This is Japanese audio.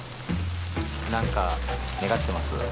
何か願ってます？